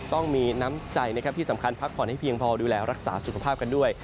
ต้องมีน้ำใจนะครับที่สำคัญพักผ่อนให้เพียงพอดูแลรักษาสุขภาพกันด้วย